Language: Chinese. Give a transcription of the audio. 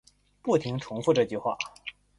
不停重复这句话